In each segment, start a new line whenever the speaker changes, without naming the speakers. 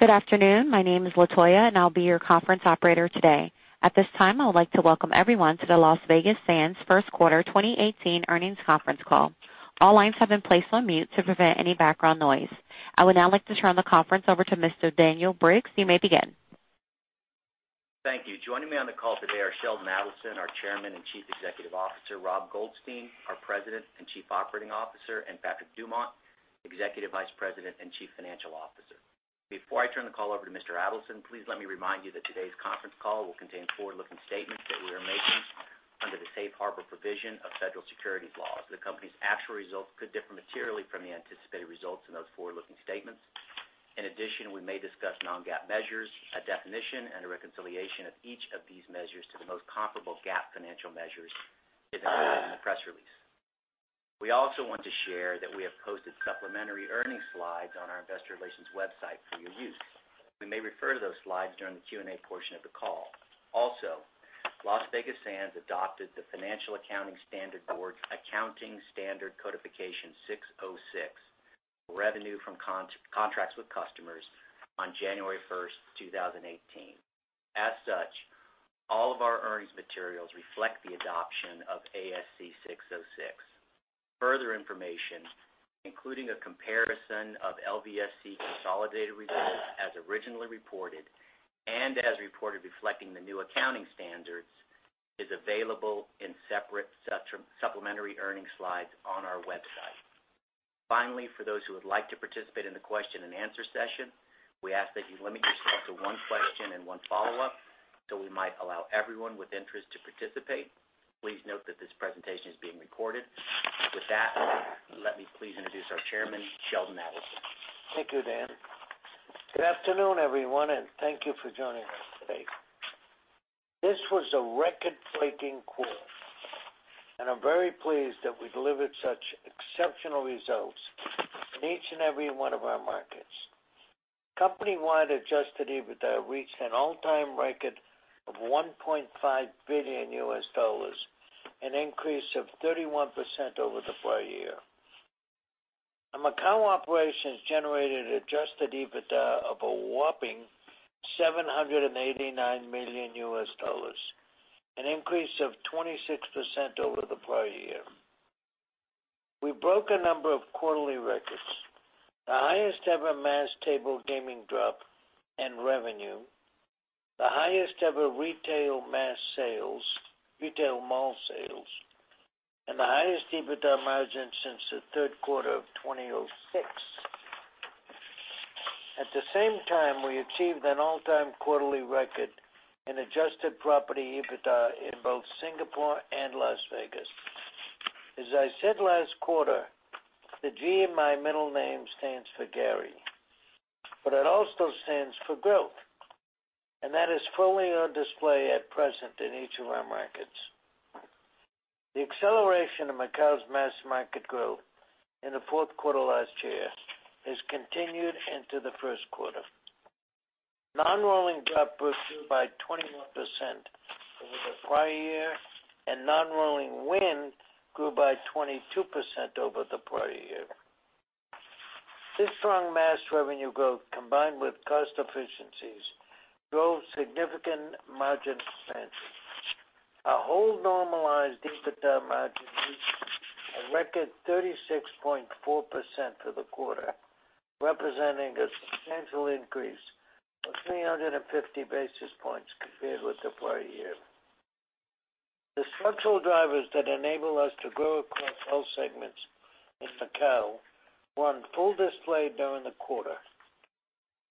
Good afternoon. My name is Latoya, I'll be your conference operator today. At this time, I would like to welcome everyone to the Las Vegas Sands first quarter 2018 earnings conference call. All lines have been placed on mute to prevent any background noise. I would now like to turn the conference over to Mr. Daniel Briggs. You may begin.
Thank you. Joining me on the call today are Sheldon Adelson, our Chairman and Chief Executive Officer, Rob Goldstein, our President and Chief Operating Officer, Patrick Dumont, Executive Vice President and Chief Financial Officer. Before I turn the call over to Mr. Adelson, please let me remind you that today's conference call will contain forward-looking statements that we are making under the safe harbor provision of federal securities laws. In addition, we may discuss non-GAAP measures, a definition, and a reconciliation of each of these measures to the most comparable GAAP financial measures is included in the press release. We also want to share that we have posted supplementary earnings slides on our investor relations website for your use. We may refer to those slides during the Q&A portion of the call. Las Vegas Sands adopted the Financial Accounting Standards Board Accounting Standards Codification Topic 606, Revenue from Contracts with Customers, on January 1st, 2018. All of our earnings materials reflect the adoption of ASC 606. Further information, including a comparison of LVSC consolidated results as originally reported and as reported reflecting the new accounting standards, is available in separate supplementary earnings slides on our investor relations website. For those who would like to participate in the question-and-answer session, we ask that you limit yourself to one question and one follow-up so we might allow everyone with interest to participate. Please note that this presentation is being recorded. Let me please introduce our chairman, Sheldon Adelson.
Thank you, Dan. Good afternoon, everyone, thank you for joining us today. This was a record-breaking quarter, I'm very pleased that we delivered such exceptional results in each and every one of our markets. Company-wide adjusted EBITDA reached an all-time record of $1.5 billion, an increase of 31% over the prior year. Our Macau operations generated adjusted EBITDA of a whopping $789 million, an increase of 26% over the prior year. We broke a number of quarterly records: the highest-ever mass table gaming drop and revenue, the highest-ever retail mass sales, retail mall sales, and the highest EBITDA margin since the third quarter of 2006. At the same time, we achieved an all-time quarterly record in adjusted property EBITDA in both Singapore and Las Vegas. As I said last quarter, the G in my middle name stands for Gary, but it also stands for growth, and that is fully on display at present in each of our markets. The acceleration of Macau's mass market growth in the fourth quarter last year has continued into the first quarter. Non-rolling drop grew by 21% over the prior year, and non-rolling win grew by 22% over the prior year. This strong mass revenue growth, combined with cost efficiencies, drove significant margin expansion. Our hold-normalized EBITDA margin reached a record 36.4% for the quarter, representing a substantial increase of 350 basis points compared with the prior year. The structural drivers that enable us to grow across all segments in Macau were on full display during the quarter.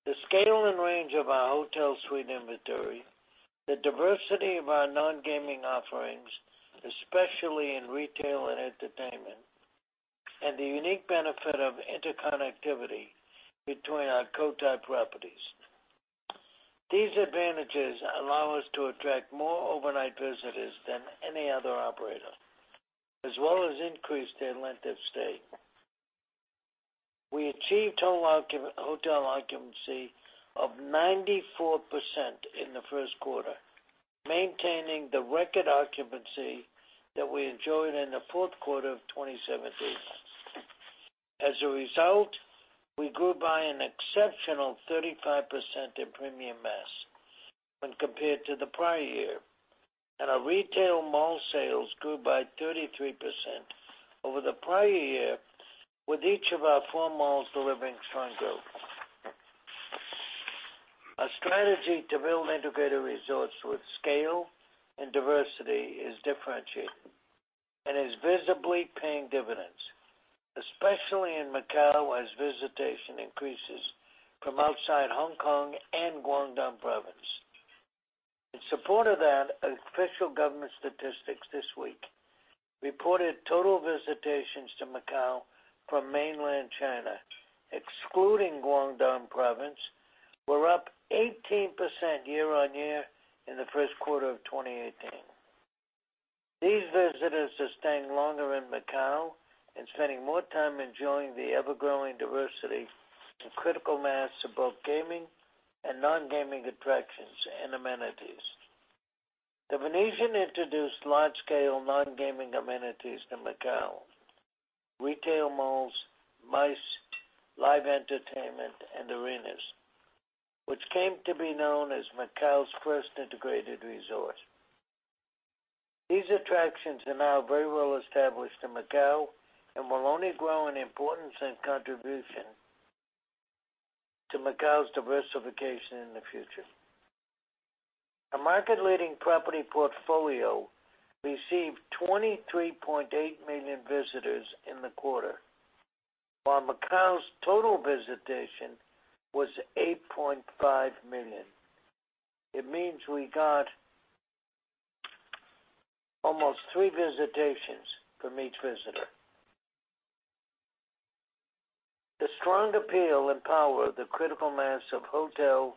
The scale and range of our hotel suite inventory, the diversity of our non-gaming offerings, especially in retail and entertainment, and the unique benefit of interconnectivity between our Cotai properties. These advantages allow us to attract more overnight visitors than any other operator, as well as increase their length of stay. We achieved hotel occupancy of 94% in the first quarter, maintaining the record occupancy that we enjoyed in the fourth quarter of 2017. As a result, we grew by an exceptional 35% in premium mass when compared to the prior year, and our retail mall sales grew by 33% over the prior year, with each of our four malls delivering strong growth. Our strategy to build integrated resorts with scale and diversity is differentiated and is visibly paying dividends, especially in Macau, as visitation increases from outside Hong Kong and Guangdong Province. In support of that, official government statistics this week reported total visitations to Macau from mainland China, excluding Guangdong Province, were up 18% year-over-year in the first quarter of 2018. These visitors are staying longer in Macau and spending more time enjoying the ever-growing diversity and critical mass of both gaming and non-gaming attractions and amenities. The Venetian introduced large-scale non-gaming amenities to Macau, retail malls, MICE, live entertainment, and arenas, which came to be known as Macau's first integrated resort. These attractions are now very well established in Macau and will only grow in importance and contribution to Macau's diversification in the future. Our market-leading property portfolio received 23.8 million visitors in the quarter, while Macau's total visitation was 8.5 million. It means we got almost three visitations from each visitor. The strong appeal and power of the critical mass of hotel,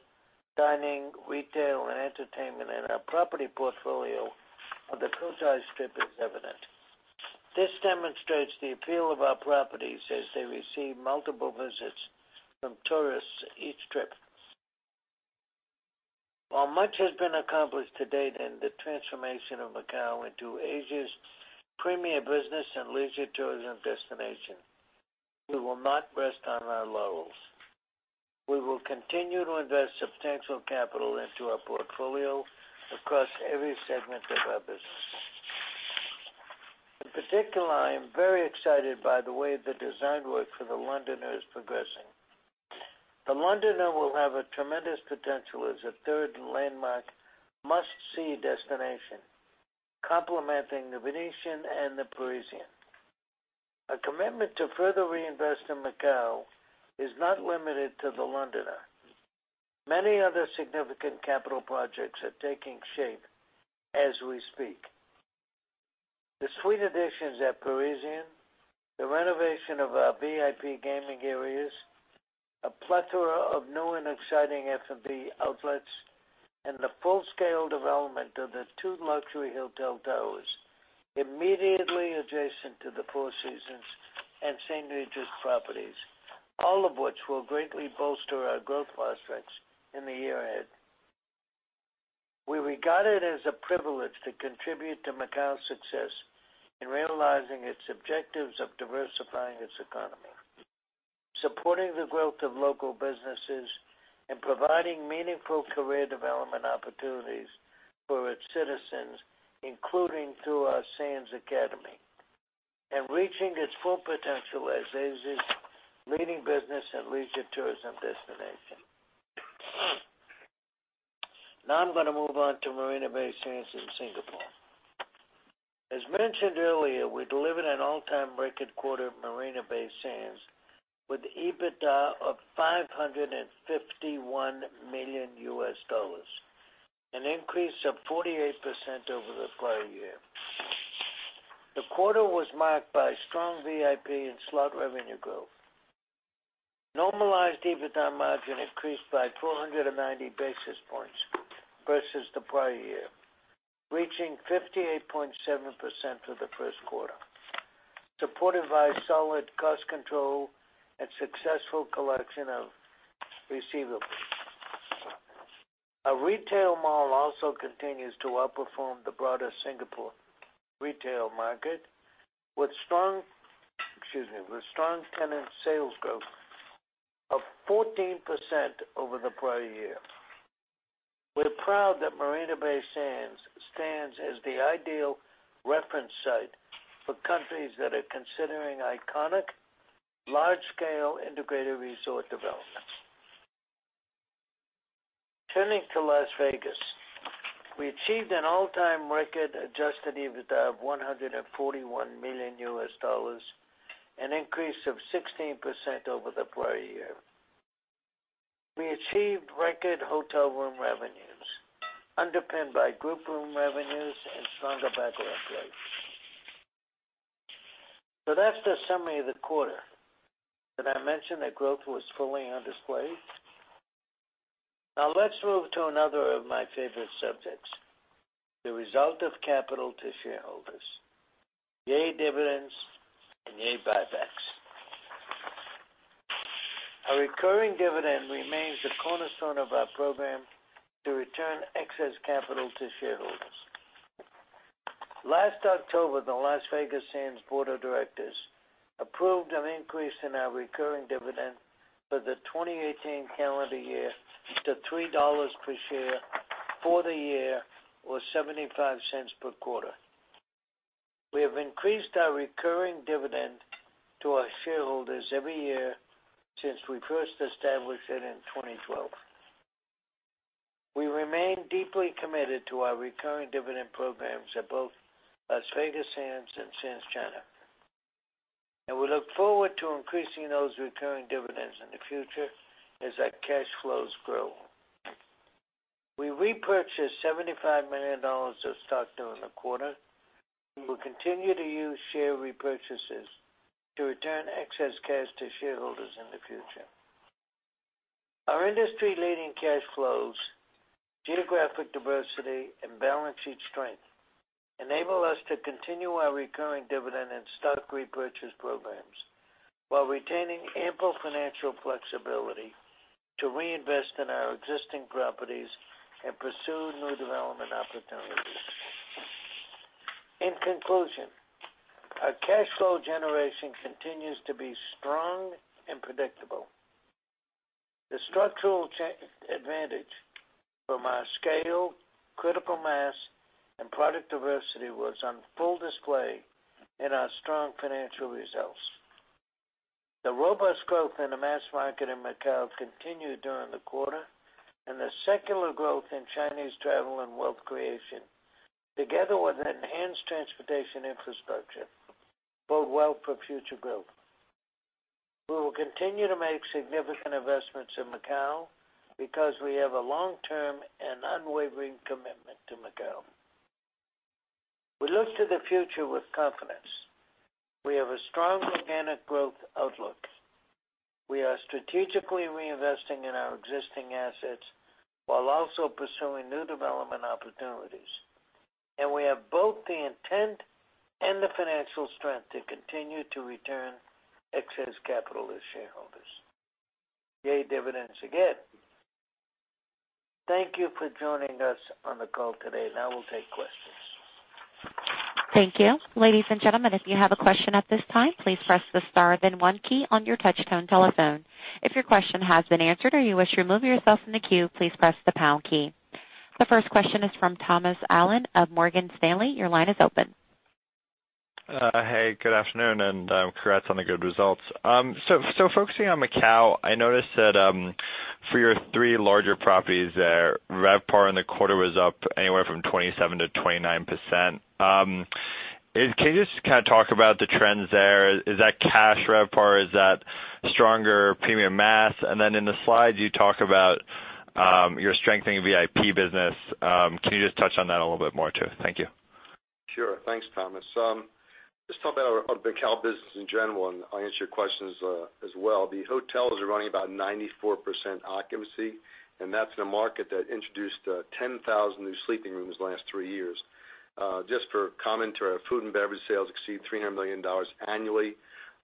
dining, retail, and entertainment in our property portfolio on the Cotai Strip is evident. This demonstrates the appeal of our properties as they receive multiple visits from tourists each trip. While much has been accomplished to date in the transformation of Macau into Asia's premier business and leisure tourism destination, we will not rest on our laurels. We will continue to invest substantial capital into our portfolio across every segment of our business. In particular, I am very excited by the way the design work for The Londoner is progressing. The Londoner will have a tremendous potential as a third landmark must-see destination, complementing The Venetian and The Parisian. Our commitment to further reinvest in Macau is not limited to The Londoner. Many other significant capital projects are taking shape as we speak. The suite additions at Parisian, the renovation of our VIP gaming areas, a plethora of new and exciting F&B outlets, and the full-scale development of the two luxury hotel towers immediately adjacent to the Four Seasons and St. Regis properties, all of which will greatly bolster our growth prospects in the year ahead. We regard it as a privilege to contribute to Macau's success in realizing its objectives of diversifying its economy, supporting the growth of local businesses, and providing meaningful career development opportunities for its citizens, including through our Sands Academy, and reaching its full potential as Asia's leading business and leisure tourism destination. I'm going to move on to Marina Bay Sands in Singapore. As mentioned earlier, we delivered an all-time record quarter at Marina Bay Sands with EBITDA of $551 million, an increase of 48% over the prior year. The quarter was marked by strong VIP and slot revenue growth. Normalized EBITDA margin increased by 490 basis points versus the prior year, reaching 58.7% for the first quarter, supported by solid cost control and successful collection of receivables. Our retail mall also continues to outperform the broader Singapore retail market with strong tenant sales growth of 14% over the prior year. We're proud that Marina Bay Sands stands as the ideal reference site for countries that are considering iconic, large-scale integrated resort developments. Turning to Las Vegas, we achieved an all-time record adjusted EBITDA of $141 million, an increase of 16% over the prior year. We achieved record hotel room revenues, underpinned by group room revenues and stronger back-to-house rates. That's the summary of the quarter. Did I mention that growth was fully on display? Let's move to another of my favorite subjects, the result of capital to shareholders, yay dividends and yay buybacks. Our recurring dividend remains the cornerstone of our program to return excess capital to shareholders. Last October, the Las Vegas Sands board of directors approved an increase in our recurring dividend for the 2018 calendar year to $3 per share for the year, or $0.75 per quarter. We have increased our recurring dividend to our shareholders every year since we first established it in 2012. We remain deeply committed to our recurring dividend programs at both Las Vegas Sands and Sands China, and we look forward to increasing those recurring dividends in the future as our cash flows grow. We repurchased $75 million of stock during the quarter. We will continue to use share repurchases to return excess cash to shareholders in the future. Our industry-leading cash flows, geographic diversity, and balanced sheet strength Enable us to continue our recurring dividend and stock repurchase programs while retaining ample financial flexibility to reinvest in our existing properties and pursue new development opportunities. In conclusion, our cash flow generation continues to be strong and predictable. The structural advantage from our scale, critical mass, and product diversity was on full display in our strong financial results. The robust growth in the mass market in Macau continued during the quarter, and the secular growth in Chinese travel and wealth creation, together with enhanced transportation infrastructure, bode well for future growth. We will continue to make significant investments in Macau because we have a long-term and unwavering commitment to Macau. We look to the future with confidence. We have a strong organic growth outlook. We are strategically reinvesting in our existing assets while also pursuing new development opportunities.
We have both the intent and the financial strength to continue to return excess capital to shareholders. Yay, dividends again. Thank you for joining us on the call today. Now we'll take questions.
Thank you. Ladies and gentlemen, if you have a question at this time, please press the star, then one key on your touch-tone telephone. If your question has been answered or you wish to remove yourself from the queue, please press the pound key. The first question is from Thomas Allen of Morgan Stanley. Your line is open.
Hey, good afternoon, and congrats on the good results. Focusing on Macau, I noticed that for your three larger properties there, REVPAR in the quarter was up anywhere from 27%-29%. Can you just talk about the trends there? Is that cash REVPAR? Is that stronger premium mass? In the slides, you talk about your strengthening VIP business. Can you just touch on that a little bit more, too? Thank you.
Sure. Thanks, Thomas. Just talk about our Macau business in general. I'll answer your questions as well. The hotels are running about 94% occupancy, and that's in a market that introduced 10,000 new sleeping rooms the last three years. Just for commentary, our food and beverage sales exceed $300 million annually.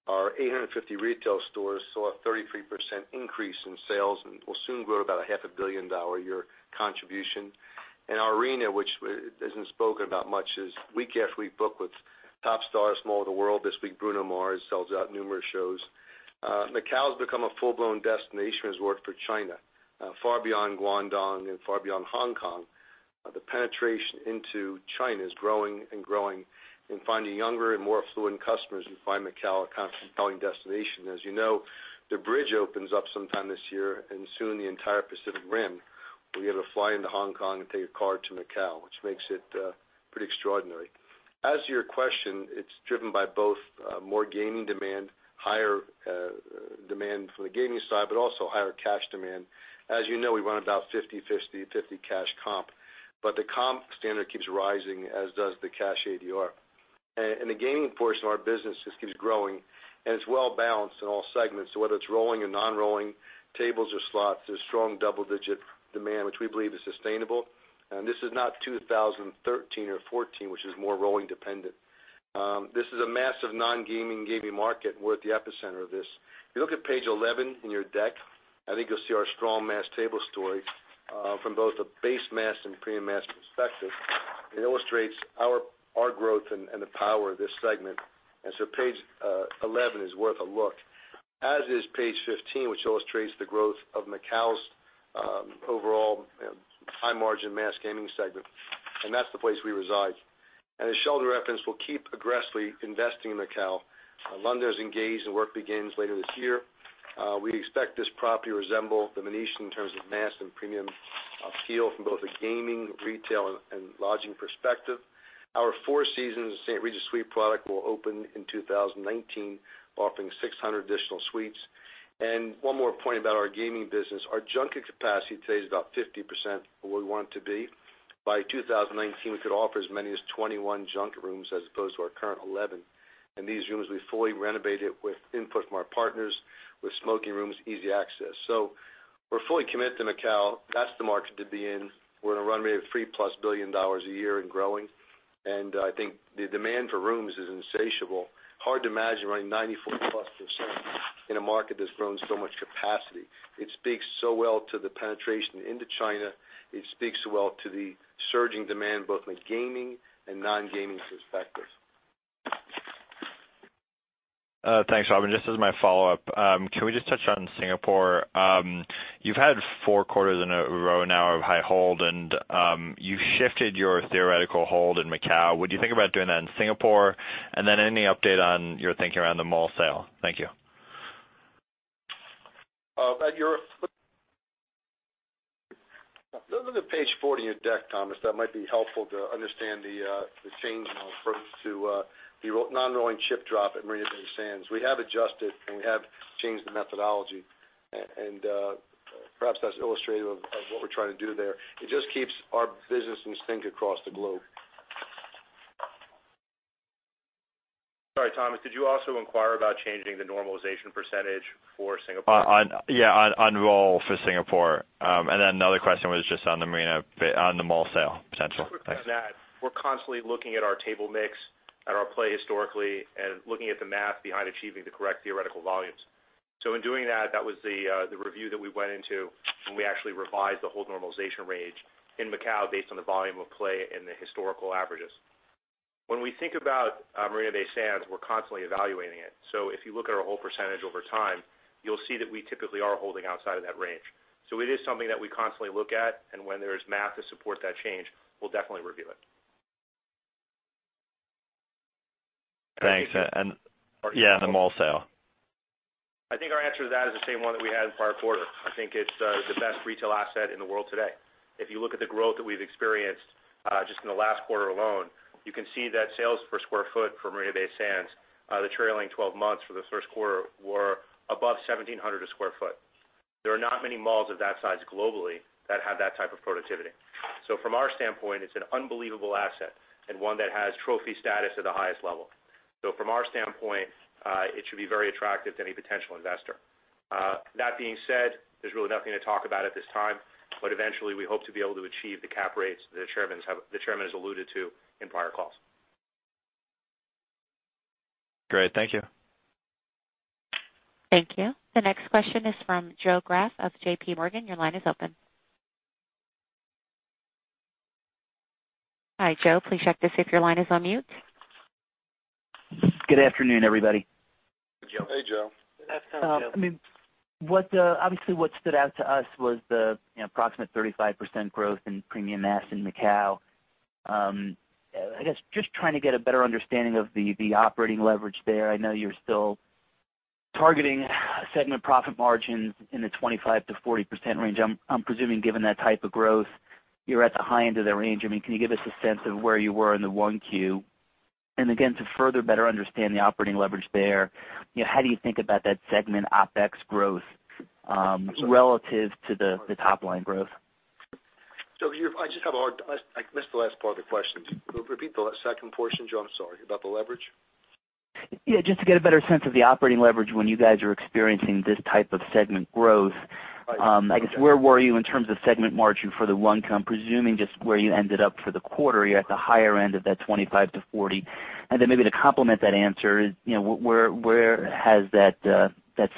Our 850 retail stores saw a 33% increase in sales and will soon grow to about a half a billion dollar a year contribution. Our arena, which isn't spoken about much, is week after week booked with top stars from all over the world. This week, Bruno Mars sells out numerous shows. Macau's become a full-blown destination resort for China, far beyond Guangdong and far beyond Hong Kong. The penetration into China is growing and growing, finding younger and more affluent customers who find Macau a compelling destination. As you know, the bridge opens up sometime this year. Soon the entire Pacific Rim will be able to fly into Hong Kong and take a car to Macau, which makes it pretty extraordinary. As your question, it's driven by both more gaming demand, higher demand from the gaming side, but also higher cash demand. As you know, we run about 50/50 cash comp. The comp standard keeps rising, as does the cash ADR. The gaming portion of our business just keeps growing, and it's well balanced in all segments. Whether it's rolling or non-rolling, tables or slots, there's strong double-digit demand, which we believe is sustainable. This is not 2013 or 2014, which is more rolling dependent. This is a massive non-gaming/gaming market, and we're at the epicenter of this. If you look at page 11 in your deck, I think you'll see our strong mass table story from both a base mass and premium mass perspective. It illustrates our growth and the power of this segment. So page 11 is worth a look, as is page 15, which illustrates the growth of Macau's overall high-margin mass gaming segment, and that's the place we reside. As Sheldon referenced, we'll keep aggressively investing in Macau. Londo is engaged, and work begins later this year. We expect this property to resemble The Venetian in terms of mass and premium appeal from both a gaming, retail, and lodging perspective. Our Four Seasons St. Regis suite product will open in 2019, offering 600 additional suites. One more point about our gaming business. Our junket capacity today is about 50% of where we want it to be. By 2019, we could offer as many as 21 junket rooms as opposed to our current 11. These rooms will be fully renovated with input from our partners, with smoking rooms, easy access. We're fully committed to Macau. That's the market to be in. We're on a run rate of $3-plus billion a year and growing. I think the demand for rooms is insatiable. Hard to imagine running 94-plus% in a market that's grown so much capacity. It speaks so well to the penetration into China. It speaks so well to the surging demand, both from a gaming and non-gaming perspective.
Thanks, Rob. Just as my follow-up, can we just touch on Singapore? You've had 4 quarters in a row now of high hold, and you shifted your theoretical hold in Macau. Would you think about doing that in Singapore? Then any update on your thinking around the mall sale? Thank you.
Look at page 40 of your deck, Thomas. That might be helpful to understand the change in our approach to the non-rolling chip drop at Marina Bay Sands. We have adjusted, we have changed the methodology, perhaps that's illustrative of what we're trying to do there. It just keeps our businesses synced across the globe.
Sorry, Thomas, did you also inquire about changing the normalization percentage for Singapore?
Yeah. On roll for Singapore. Then another question was just on the Marina Bay, on the mall sale potential. Thanks.
We're constantly looking at our table mix, at our play historically, and looking at the math behind achieving the correct theoretical volumes. In doing that was the review that we went into when we actually revised the whole normalization range in Macau based on the volume of play and the historical averages. When we think about Marina Bay Sands, we're constantly evaluating it. If you look at our whole percentage over time, you'll see that we typically are holding outside of that range. It is something that we constantly look at, and when there is math to support that change, we'll definitely review it.
Thanks. Yeah, on the mall sale.
I think our answer to that is the same one that we had in prior quarters. I think it's the best retail asset in the world today. If you look at the growth that we've experienced just in the last quarter alone, you can see that sales per square foot for Marina Bay Sands, the trailing 12 months for the first quarter, were above 1,700 a square foot. There are not many malls of that size globally that have that type of productivity. From our standpoint, it's an unbelievable asset and one that has trophy status at the highest level. From our standpoint, it should be very attractive to any potential investor. That being said, there's really nothing to talk about at this time, but eventually, we hope to be able to achieve the cap rates the Chairman has alluded to in prior calls.
Great. Thank you.
Thank you. The next question is from Joe Greff of J.P. Morgan. Your line is open. Hi, Joe. Please check to see if your line is on mute.
Good afternoon, everybody.
Hey, Joe. Afternoon, Joe.
I mean, obviously, what stood out to us was the approximate 35% growth in premium mass in Macau. I guess, just trying to get a better understanding of the operating leverage there. I know you're still targeting segment profit margins in the 25%-40% range. I'm presuming, given that type of growth, you're at the high end of the range. I mean, can you give us a sense of where you were in the one Q? Again, to further better understand the operating leverage there, how do you think about that segment OpEx growth relative to the top-line growth?
I missed the last part of the question. Repeat the second portion, Joe. I'm sorry. About the leverage.
Yeah, just to get a better sense of the operating leverage when you guys are experiencing this type of segment growth.
Right. Okay.
I guess, where were you in terms of segment margin for the 1Q? I'm presuming just where you ended up for the quarter, you're at the higher end of that 25%-40%. Maybe to complement that answer, where has that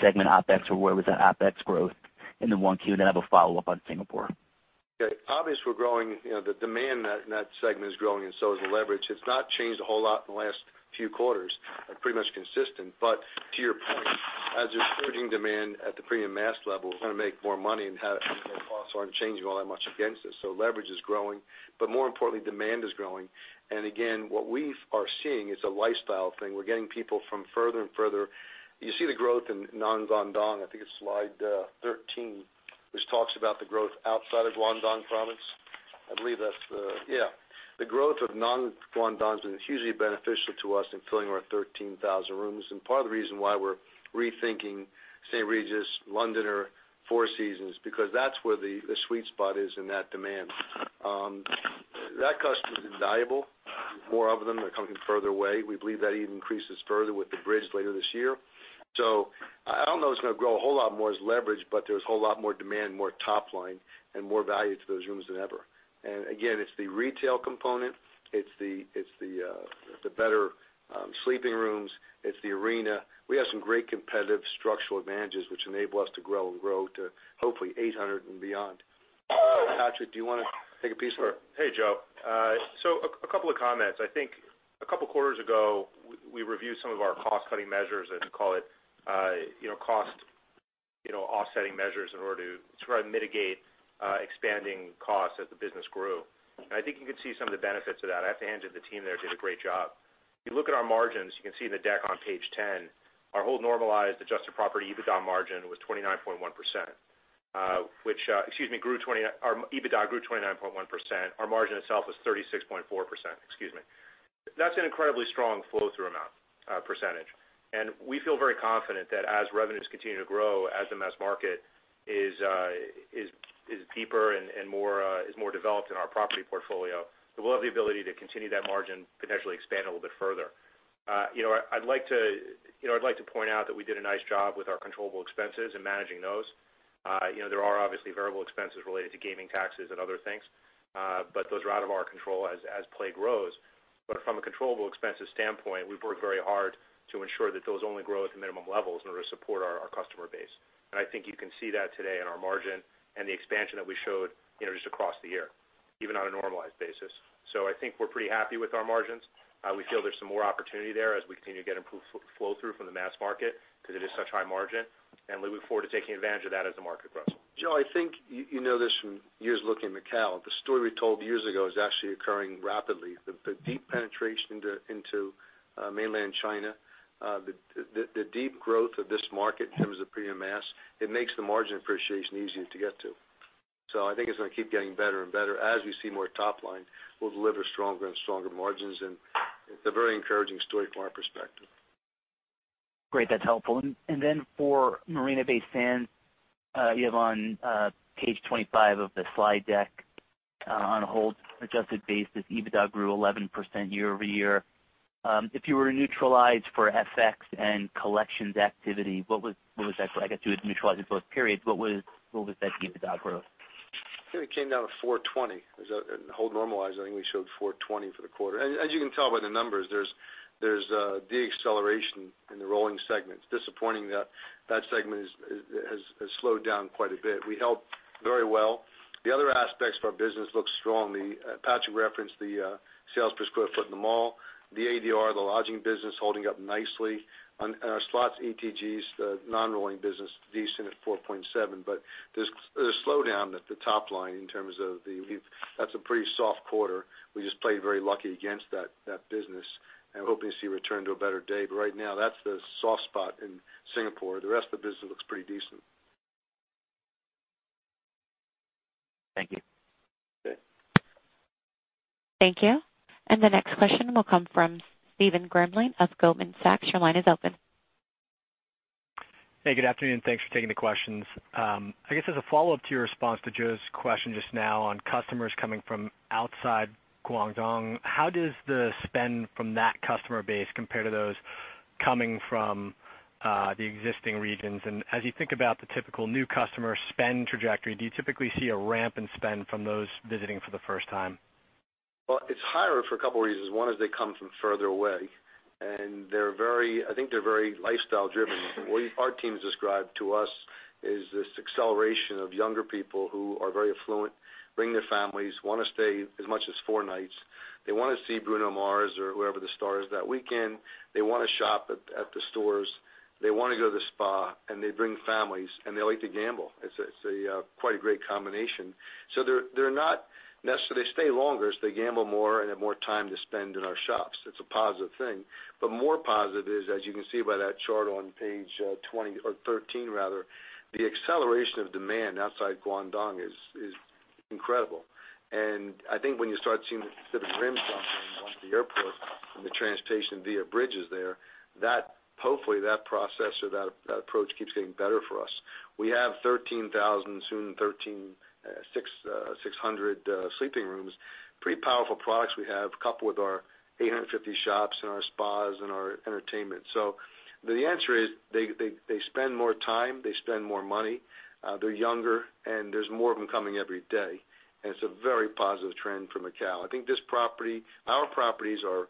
segment OpEx, or where was that OpEx growth in the 1Q? I have a follow-up on Singapore.
Obviously, the demand in that segment is growing, and so is the leverage. It's not changed a whole lot in the last few quarters. Pretty much consistent. To your point, as you're urging demand at the premium mass level, we're going to make more money and have costs aren't changing all that much against us. Leverage is growing. More importantly, demand is growing. Again, what we are seeing is a lifestyle thing. We're getting people from further and further. You see the growth in non-Guangdong, I think it's slide 13, which talks about the growth outside of Guangdong province. The growth of non-Guangdong has been hugely beneficial to us in filling our 13,000 rooms. Part of the reason why we're rethinking The St. Regis Macao, The Londoner Macao or Four Seasons Hotel Macao, because that's where the sweet spot is in that demand. That customer's invaluable. More of them are coming further away. We believe that even increases further with the bridge later this year. I don't know it's going to grow a whole lot more as leverage, but there's a whole lot more demand, more top line, and more value to those rooms than ever. Again, it's the retail component, it's the better sleeping rooms, it's the arena. We have some great competitive structural advantages which enable us to grow and grow to hopefully 800 and beyond. Patrick, do you want to take a piece of it? Sure. Hey, Joe. A couple of comments. I think a couple of quarters ago, we reviewed some of our cost-cutting measures, let's call it cost offsetting measures in order to try and mitigate expanding costs as the business grew. I think you could see some of the benefits of that. I have to hand it to the team there, did a great job. If you look at our margins, you can see the deck on page 10. Our whole normalized adjusted property EBITDA grew 29.1%. Our margin itself was 36.4%. Excuse me. That's an incredibly strong flow-through amount percentage. We feel very confident that as revenues continue to grow, as the mass market is deeper and is more developed in our property portfolio, that we'll have the ability to continue that margin, potentially expand a little bit further. I'd like to point out that we did a nice job with our controllable expenses and managing those. There are obviously variable expenses related to gaming taxes and other things. Those are out of our control as play grows. From a controllable expenses standpoint, we've worked very hard to ensure that those only grow at the minimum levels in order to support our customer base. I think you can see that today in our margin and the expansion that we showed just across the year, even on a normalized basis. I think we're pretty happy with our margins. We feel there's some more opportunity there as we continue to get improved flow through from the mass market because it is such high margin, and we look forward to taking advantage of that as the market grows. Joe, I think you know this from years looking at Macau. The story we told years ago is actually occurring rapidly. The deep penetration into Mainland China, the deep growth of this market in terms of premium mass, it makes the margin appreciation easier to get to. I think it's going to keep getting better and better. As we see more top line, we'll deliver stronger and stronger margins, and it's a very encouraging story from our perspective.
Great. That's helpful. Then for Marina Bay Sands, you have on page 25 of the slide deck, on a hold adjusted basis, EBITDA grew 11% year-over-year. If you were to neutralize for FX and collections activity, I guess you would neutralize in both periods, what was that EBITDA growth?
I think it came down to $420. As a hold normalized, I think we showed $420 for the quarter. As you can tell by the numbers, there's a de-acceleration in the rolling segments. Disappointing that that segment has slowed down quite a bit. We held very well. The other aspects of our business look strong. Patrick referenced the sales per sq ft in the mall, the ADR, the lodging business, holding up nicely. On our slots, ETGs, the non-rolling business, decent at 4.7. There's a slowdown at the top line. That's a pretty soft quarter. We just played very lucky against that business, and hoping to see a return to a better day. Right now, that's the soft spot in Singapore. The rest of the business looks pretty decent.
Thank you.
Okay.
Thank you. The next question will come from Steven Wieczynski of Goldman Sachs. Your line is open.
Hey, good afternoon. Thanks for taking the questions. I guess as a follow-up to your response to Joe's question just now on customers coming from outside Guangdong, how does the spend from that customer base compare to those coming from the existing regions? As you think about the typical new customer spend trajectory, do you typically see a ramp in spend from those visiting for the first time?
Well, it's higher for a couple of reasons. One is they come from further away, and I think they're very lifestyle driven. What our teams describe to us is this acceleration of younger people who are very affluent, bring their families, want to stay as much as four nights. They want to see Bruno Mars or whoever the star is that weekend. They want to shop at the stores. They want to go to the spa, and they bring families, and they like to gamble. It's quite a great combination. They stay longer, so they gamble more and have more time to spend in our shops. It's a positive thing. More positive is, as you can see by that chart on page 13, the acceleration of demand outside Guangdong is incredible. I think when you start seeing the specific rims coming off the airport and the transportation via bridges there, hopefully that process or that approach keeps getting better for us. We have 13,000, soon 13,600 sleeping rooms. Pretty powerful products we have, coupled with our 850 shops and our spas and our entertainment. The answer is they spend more time, they spend more money, they're younger, and there's more of them coming every day. It's a very positive trend for Macau. I think our properties are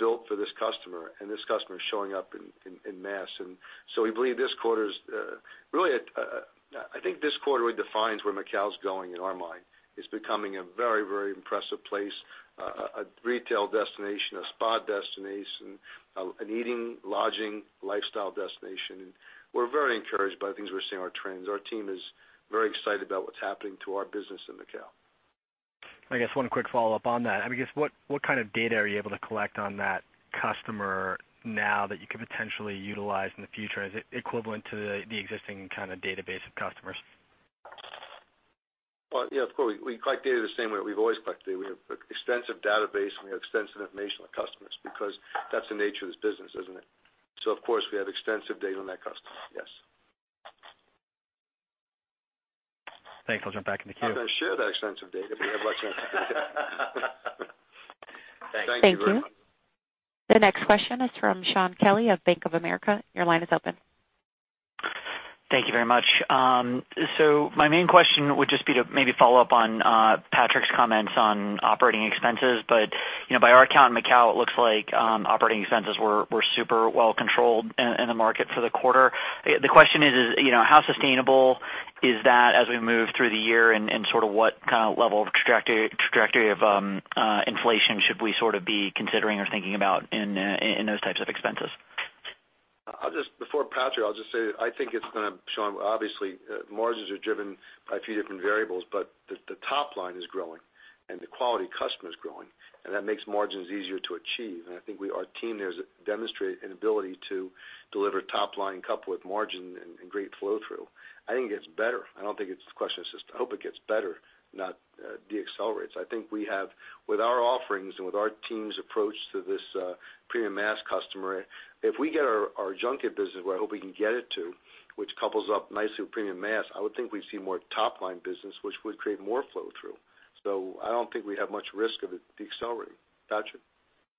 built for this customer, and this customer is showing up in mass. I think this quarter redefines where Macau's going in our mind. It's becoming a very, very impressive place, a retail destination, a spa destination, an eating, lodging, lifestyle destination. We're very encouraged by the things we're seeing, our trends. Our team is very excited about what's happening to our business in Macao.
I guess one quick follow-up on that. I guess, what kind of data are you able to collect on that customer now that you could potentially utilize in the future? Is it equivalent to the existing kind of database of customers?
Well, yeah, of course, we collect data the same way we've always collected data. We have extensive database, and we have extensive information on customers because that's the nature of this business, isn't it? Of course, we have extensive data on that customer. Yes.
Thanks. I'll jump back in the queue.
Not going to share that extensive data, but we have extensive data.
Thank you very much.
Thank you. The next question is from Shaun Kelley of Bank of America. Your line is open.
Thank you very much. My main question would just be to maybe follow up on Patrick's comments on operating expenses. By our account in Macao, it looks like operating expenses were super well controlled in the market for the quarter. The question is: How sustainable is that as we move through the year, and what kind of level of trajectory of inflation should we be considering or thinking about in those types of expenses?
Before Patrick, I'll just say that I think, Shaun, obviously, margins are driven by a few different variables, but the top line is growing, and the quality customer is growing, and that makes margins easier to achieve. I think our team there has demonstrated an ability to deliver top line coupled with margin and great flow-through. I think it gets better. I hope it gets better, not de-accelerates. I think with our offerings and with our team's approach to this premium mass customer, if we get our junket business where I hope we can get it to, which couples up nicely with premium mass, I would think we'd see more top-line business, which would create more flow-through. I don't think we'd have much risk of it de-accelerating. Patrick?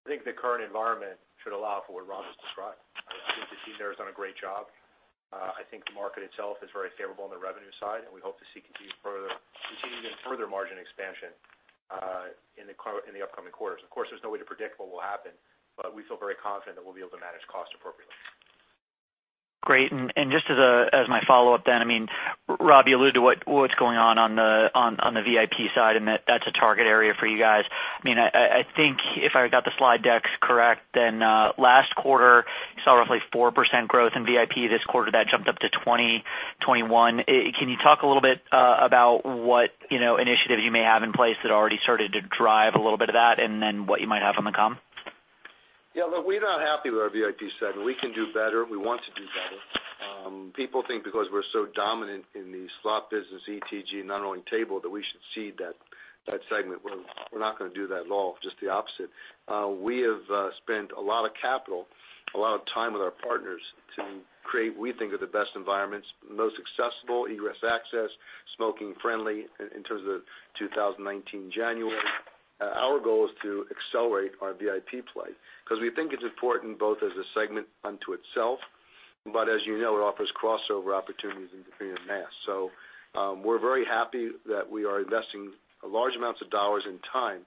I think the current environment should allow for what Rob just described. I think the team there has done a great job. I think the market itself is very favorable on the revenue side. We hope to see continued even further margin expansion in the upcoming quarters. Of course, there's no way to predict what will happen. We feel very confident that we'll be able to manage costs appropriately.
Great. Just as my follow-up then, Rob, you alluded to what's going on the VIP side, and that's a target area for you guys. I think if I got the slide decks correct, then last quarter, you saw roughly 4% growth in VIP. This quarter, that jumped up to 20, 21. Can you talk a little bit about what initiatives you may have in place that already started to drive a little bit of that, and then what you might have on the comment?
Yeah, look, we're not happy with our VIP segment. We can do better. People think because we're so dominant in the slot business, ETG, not only table, that we should cede that segment. We're not going to do that at all. Just the opposite. We have spent a lot of capital, a lot of time with our partners to create what we think are the best environments, most accessible, egress access, smoking friendly in terms of 2019 January. Our goal is to accelerate our VIP play because we think it's important both as a segment unto itself, but as you know, it offers crossover opportunities in premium mass. We're very happy that we are investing large amounts of dollars and time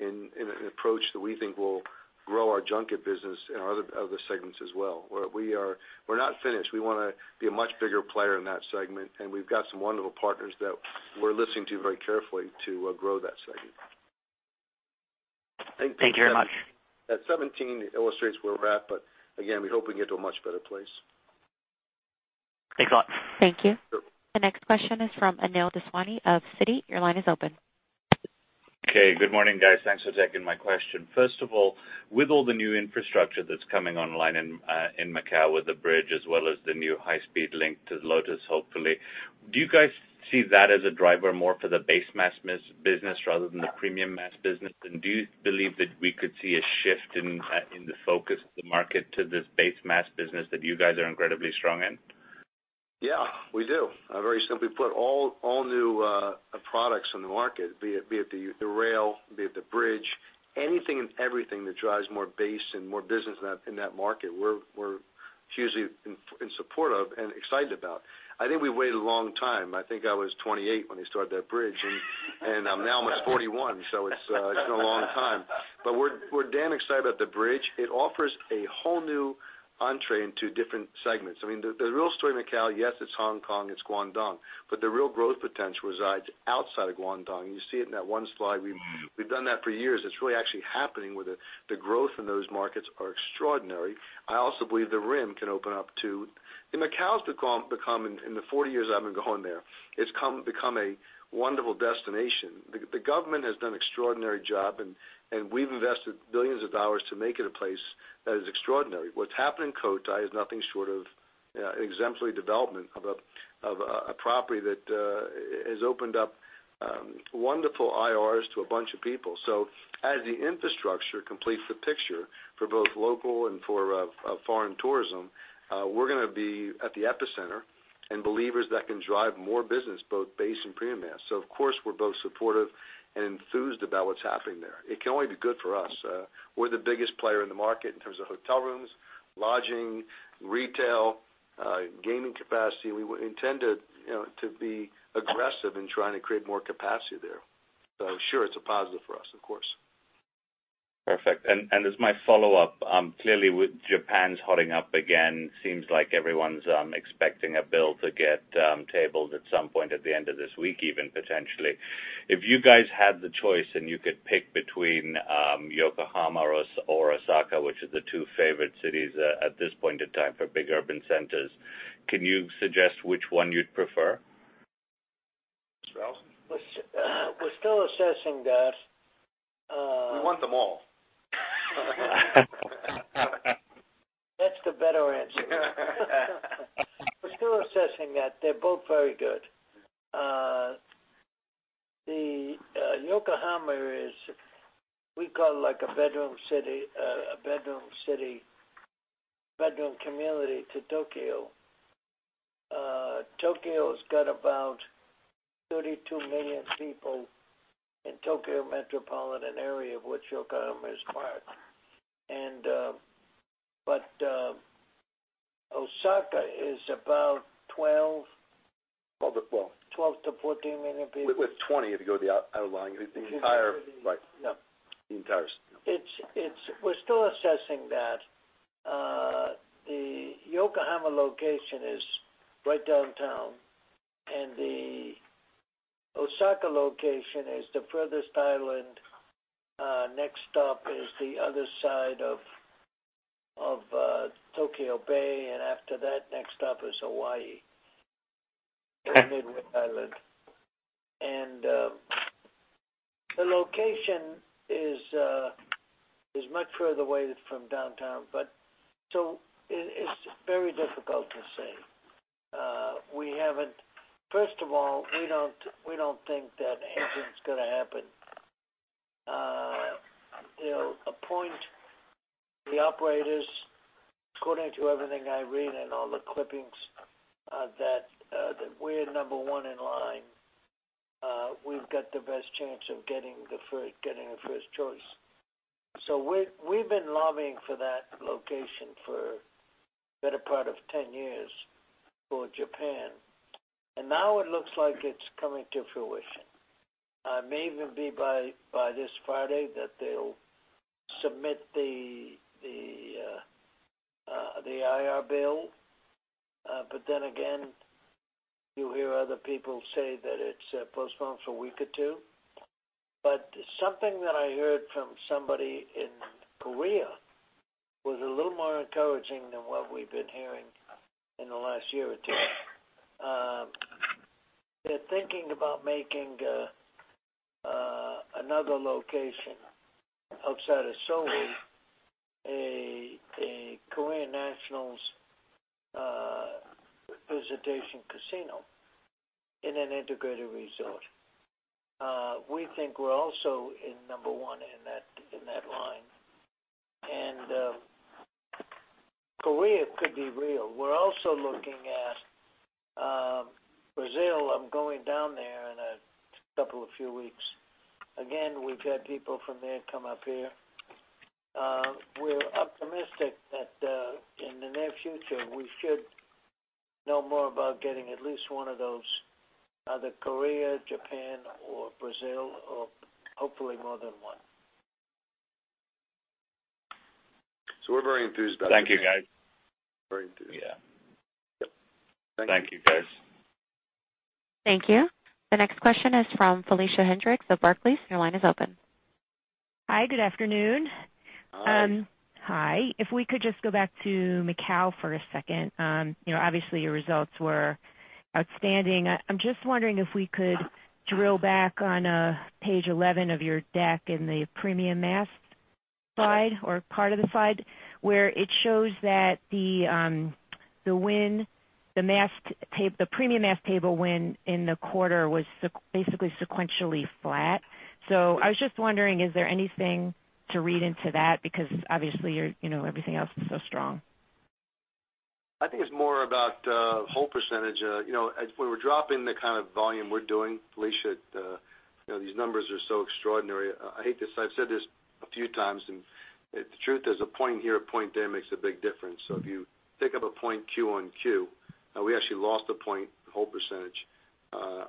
in an approach that we think will grow our junket business and our other segments as well, where we're not finished. We want to be a much bigger player in that segment, and we've got some wonderful partners that we're listening to very carefully to grow that segment.
Thank you very much.
That 17 illustrates where we're at, but again, we hope we can get to a much better place.
Thanks a lot. Thank you.
Sure.
The next question is from Anil Daswani of Citi. Your line is open.
Okay. Good morning, guys. Thanks for taking my question. First of all, with all the new infrastructure that's coming online in Macau with the bridge, as well as the new high-speed link to Lotus Bridge, hopefully, do you guys see that as a driver more for the base mass business rather than the premium mass business? Do you believe that we could see a shift in the focus of the market to this base mass business that you guys are incredibly strong in?
Yeah, we do. Very simply put, all new products on the market, be it the rail, be it the bridge, anything and everything that drives more base and more business in that market, we're hugely in support of and excited about. I think we waited a long time. I think I was 28 when they started that bridge. Now I'm almost 41, so it's been a long time. We're damn excited about the bridge. It offers a whole new entrée into different segments. The real story in Macau, yes, it's Hong Kong, it's Guangdong, but the real growth potential resides outside of Guangdong. You see it in that one slide. We've done that for years. It's really actually happening with the growth in those markets are extraordinary. I also believe the rim can open up, too. Macau's become, in the 40 years I've been going there, it's become a wonderful destination. The government has done an extraordinary job, and we've invested $billions to make it a place that is extraordinary. What's happened in Cotai is nothing short of exemplary development of a property that has opened up wonderful IRs to a bunch of people. As the infrastructure completes the picture for both local and for foreign tourism, we're going to be at the epicenter and believers that can drive more business, both base and premium mass. Of course, we're both supportive and enthused about what's happening there. It can only be good for us. We're the biggest player in the market in terms of hotel rooms, lodging, retail, gaming capacity. We intend to be aggressive in trying to create more capacity there. Sure, it's a positive for us, of course.
Perfect. As my follow-up, clearly with Japan's hotting up again, seems like everyone's expecting a bill to get tabled at some point at the end of this week, even potentially. If you guys had the choice and you could pick between Yokohama or Osaka, which are the two favorite cities at this point in time for big urban centers, can you suggest which one you'd prefer?
Mr. Adelson?
We're still assessing that.
We want them all.
That's the better answer. We're still assessing that. They're both very good. Yokohama is, we call it like a bedroom city, bedroom community to Tokyo. Tokyo's got about 32 million people in Tokyo metropolitan area, of which Yokohama is part. Osaka is about 12-
About 12
12 to 14 million people.
With 20, if you go to the outer line, the entire
City.
Right.
Yeah.
The entire city.
We're still assessing that. The Yokohama location is right downtown, and the Osaka location is the furthest island. Next stop is the other side of Tokyo Bay, and after that, next stop is Hawaii. Midway Island. The location is much further away from downtown, it's very difficult to say. First of all, we don't think that anything's going to happen. They'll appoint the operators. According to everything I read and all the clippings, that we're number one in line. We've got the best chance of getting the first choice. We've been lobbying for that location for the better part of 10 years for Japan. Now it looks like it's coming to fruition. It may even be by this Friday that they'll submit the IR bill. Again, you hear other people say that it's postponed for a week or two. Something that I heard from somebody in Korea was a little more encouraging than what we've been hearing in the last year or two. Thinking about making another location outside of Seoul, a Korean nationals visitation casino in an integrated resort. We think we're also number one in that line. Korea could be real. We're also looking at Brazil. I'm going down there in a couple of few weeks. Again, we've had people from there come up here. We're optimistic that in the near future, we should know more about getting at least one of those, either Korea, Japan, or Brazil, or hopefully more than one.
We're very enthused about it.
Thank you, guys.
Very enthused.
Yeah.
Yep.
Thank you, guys.
Thank you. The next question is from Felicia Hendrix of Barclays. Your line is open.
Hi, good afternoon.
Hi.
Hi. If we could just go back to Macau for a second. Obviously, your results were outstanding. I'm just wondering if we could drill back on page 11 of your deck in the premium mass slide or part of the slide where it shows that the premium mass table win in the quarter was basically sequentially flat. I was just wondering, is there anything to read into that? Because obviously, everything else is so strong.
I think it's more about whole percentage. When we're dropping the kind of volume we're doing, Felicia, these numbers are so extraordinary. I hate to say, I've said this a few times, the truth is a point here, a point there makes a big difference. If you take up a point Q1, we actually lost a point, whole percentage.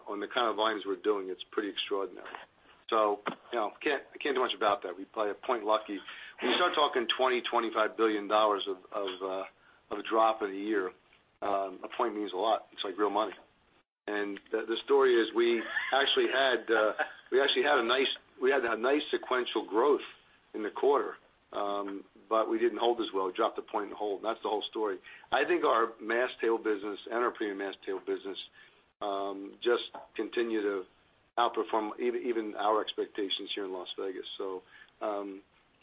On the kind of volumes we're doing, it's pretty extraordinary. I can't do much about that. We play it point lucky. When you start talking $20 billion, $25 billion of drop in a year, a point means a lot. It's like real money. The story is we actually had a nice sequential growth in the quarter, but we didn't hold as well. We dropped a point and hold, and that's the whole story. I think our mass table business and our premium mass table business just continue to outperform even our expectations here in Las Vegas.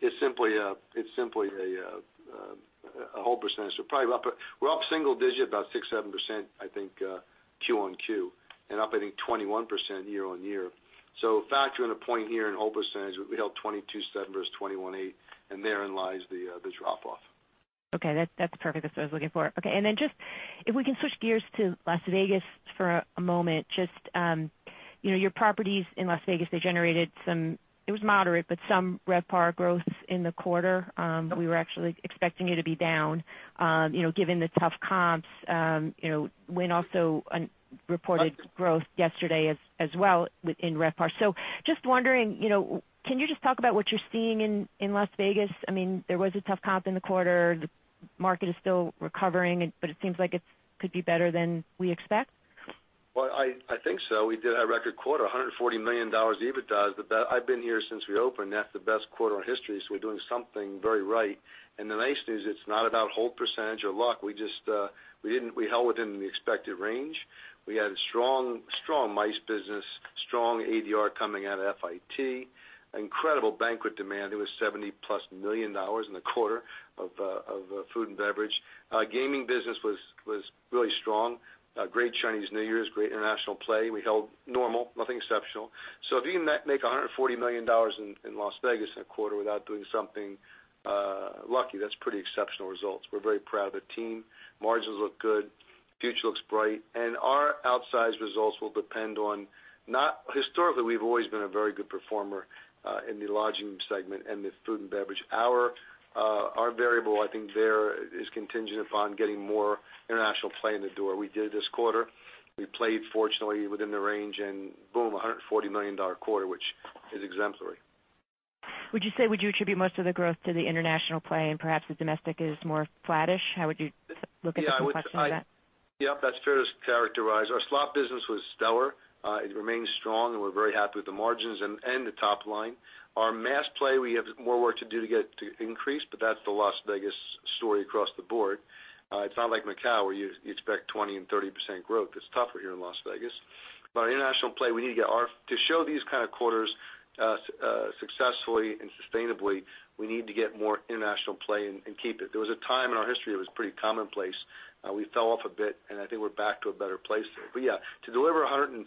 It's simply a whole percentage. We're up single-digit, about 6%, 7%, I think, Q1 Q, and up, I think, 21% year-on-year. Factor in a point here in whole percentage, we held 22.7 versus 21.8, and therein lies the drop-off.
That's perfect. That's what I was looking for. If we can switch gears to Las Vegas for a moment. Your properties in Las Vegas, they generated, it was moderate, but some RevPAR growth in the quarter. We were actually expecting you to be down given the tough comps. Wynn also reported growth yesterday as well within RevPAR. Just wondering, can you just talk about what you're seeing in Las Vegas? There was a tough comp in the quarter. The market is still recovering, but it seems like it could be better than we expect.
I think so. We did have a record quarter, $140 million EBITDA. I've been here since we opened. That's the best quarter in our history. We're doing something very right. The nice news, it's not about whole percentage or luck. We held within the expected range. We had a strong MICE business, strong ADR coming out of FIT. Incredible banquet demand. It was $70-plus million in the quarter of food and beverage. Gaming business was really strong. Great Chinese New Year, great international play. We held normal, nothing exceptional. If you can make $140 million in Las Vegas in a quarter without doing something lucky, that's pretty exceptional results. We're very proud of the team. Margins look good. Future looks bright. Historically, we've always been a very good performer in the lodging segment and the food and beverage. Our variable, I think there, is contingent upon getting more international play in the door. We did it this quarter. We played fortunately within the range. Boom, $140 million quarter, which is exemplary.
Would you say, would you attribute most of the growth to the international play and perhaps the domestic is more flattish? How would you look at the question of that?
Yep, that's fair to characterize. Our slot business was stellar. It remains strong, and we're very happy with the margins and the top line. Our mass play, we have more work to do to get it to increase, but that's the Las Vegas story across the board. It's not like Macau, where you expect 20% and 30% growth. It's tougher here in Las Vegas. Our international play, to show these kind of quarters successfully and sustainably, we need to get more international play and keep it. There was a time in our history it was pretty commonplace. We fell off a bit, and I think we're back to a better place there. Yeah, to deliver $150, $140,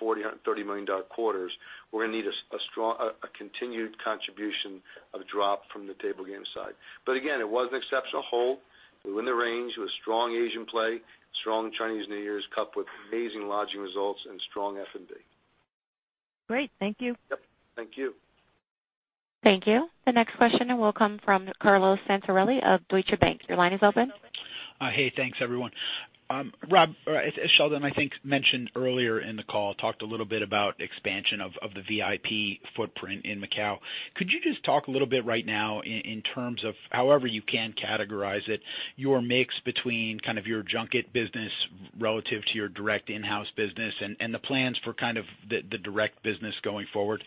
$130 million quarters, we're going to need a continued contribution of drop from the table game side. Again, it was an exceptional hold. We were in the range. It was strong Asian play, strong Chinese New Year coupled with amazing lodging results and strong F&B.
Great. Thank you.
Yep. Thank you.
Thank you. The next question will come from Carlo Santarelli of Deutsche Bank. Your line is open.
Hey, thanks, everyone. Rob, as Sheldon, I think, mentioned earlier in the call, talked a little bit about expansion of the VIP footprint in Macau. Could you just talk a little bit right now in terms of however you can categorize it, your mix between kind of your junket business relative to your direct in-house business and the plans for kind of the direct business going forward?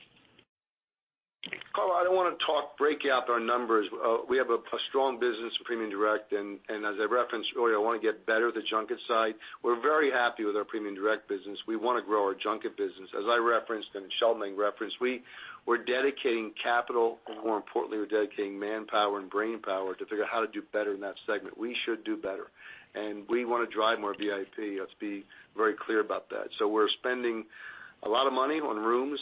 Carlo, I don't want to break out our numbers. We have a strong business premium direct, and as I referenced earlier, I want to get better at the junket side. We're very happy with our premium direct business. We want to grow our junket business. As I referenced, and Sheldon referenced, we're dedicating capital, and more importantly, we're dedicating manpower and brainpower to figure out how to do better in that segment. We should do better, and we want to drive more VIP. Let's be very clear about that. We're spending a lot of money on rooms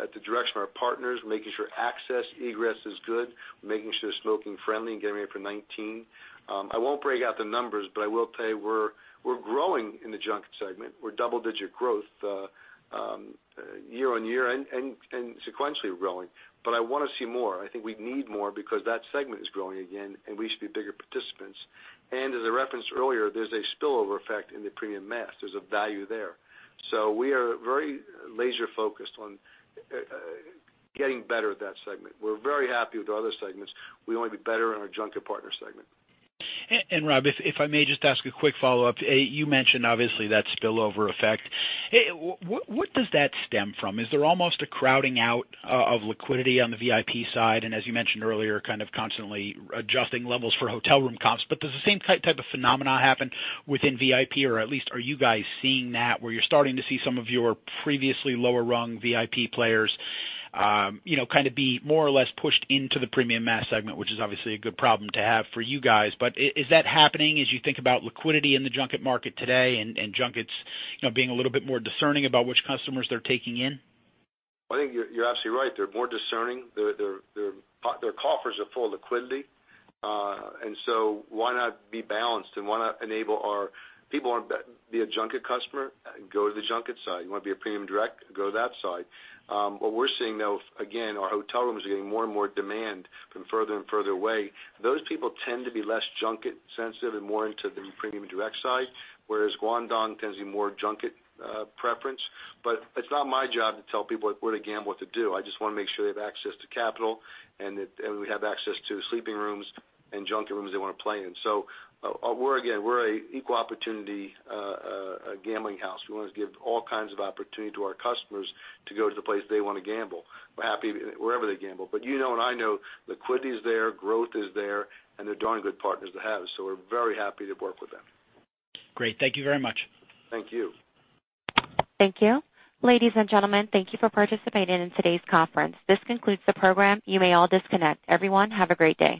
at the direction of our partners, making sure access, egress is good. We're making sure they're smoking friendly and getting ready for 2019. I won't break out the numbers, but I will tell you we're growing in the junket segment. We're double-digit growth year-on-year and sequentially growing. I want to see more. I think we need more because that segment is growing again, and we should be bigger participants. As I referenced earlier, there's a spillover effect in the premium mass. There's a value there. We are very laser-focused on getting better at that segment. We're very happy with our other segments. We want to be better in our junket partner segment.
Rob, if I may just ask a quick follow-up. You mentioned, obviously, that spillover effect. What does that stem from? Is there almost a crowding out of liquidity on the VIP side? And as you mentioned earlier, kind of constantly adjusting levels for hotel room comps. Does the same type of phenomena happen within VIP? Or at least are you guys seeing that where you're starting to see some of your previously lower-rung VIP players kind of be more or less pushed into the premium mass segment, which is obviously a good problem to have for you guys. Is that happening as you think about liquidity in the junket market today and junkets being a little bit more discerning about which customers they're taking in?
I think you're absolutely right. They're more discerning. Their coffers are full of liquidity. Why not be balanced and why not enable our People want to be a junket customer, go to the junket side. You want to be a premium direct, go to that side. What we're seeing, though, again, our hotel rooms are getting more and more demand from further and further away. Those people tend to be less junket sensitive and more into the premium direct side, whereas Guangdong tends to be more junket preference. It's not my job to tell people where to gamble, what to do. I just want to make sure they have access to capital and we have access to sleeping rooms and junket rooms they want to play in. We're an equal opportunity gambling house. We want to give all kinds of opportunity to our customers to go to the place they want to gamble. We're happy wherever they gamble. You know and I know liquidity is there, growth is there, and they're darn good partners to have, we're very happy to work with them.
Great. Thank you very much.
Thank you.
Thank you. Ladies and gentlemen, thank you for participating in today's conference. This concludes the program. You may all disconnect. Everyone, have a great day.